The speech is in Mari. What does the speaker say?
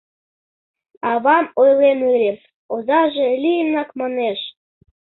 — Авам ойлен ыле, озаже лийынак, манеш.